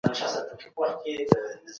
ډاکټر ګو وايي د خولۍ پر سرول اغېز نلري.